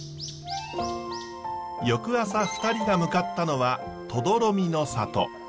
翌朝２人が向かったのは止々呂美の里。